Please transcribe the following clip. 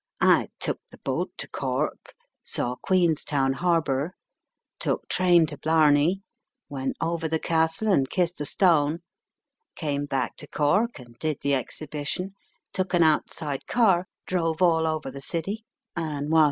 " I took the boat to Cork ; saw Queenstown Sarbour; took train to Blarney, went over the castle, and kissed the stone ; came back to Cork, and did the Exhibition ; took an out side car, drove all over the city, and whilst Digitized by VjOOQIC 10 EAST BY WEST.